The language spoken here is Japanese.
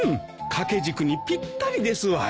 掛け軸にぴったりですわい。